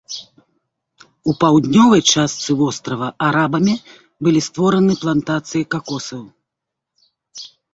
У паўднёвай частцы вострава арабамі былі створаны плантацыі какосаў.